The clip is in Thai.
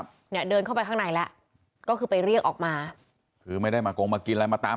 เนี่ยเดินเข้าไปข้างในแล้วก็คือไปเรียกออกมาคือไม่ได้มากงมากินอะไรมาตาม